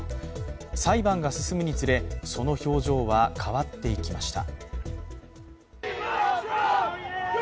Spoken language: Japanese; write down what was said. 裁判が進むにつれ、その表情は変わっていきました。